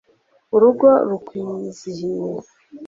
urugo rukwizihiye